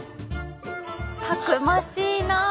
たくましいなあ！